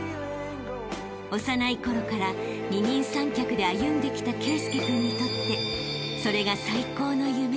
［幼いころから二人三脚で歩んできた圭佑君にとってそれが最高の夢